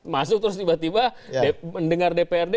masuk terus tiba tiba mendengar dprd